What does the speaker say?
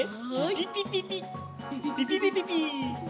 ピピピピッピピピピッ。